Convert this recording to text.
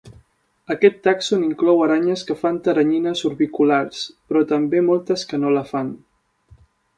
Aquest tàxon inclou aranyes que fan teranyines orbiculars, però també moltes que no la fan.